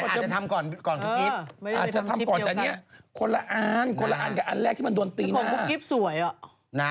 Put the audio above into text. เจ้ากรูคิ๊ปสวยอ่ะ